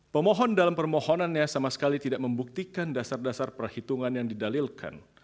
pemohon dalam permohonannya sama sekali tidak membuktikan dasar dasar perhitungan yang didalilkan